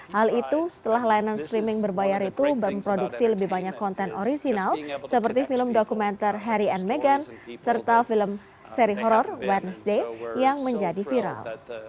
hal itu setelah layanan streaming berbayar itu memproduksi lebih banyak konten orisinal seperti film dokumenter harry and meghan serta film seri horror ⁇ tnes ⁇ day yang menjadi viral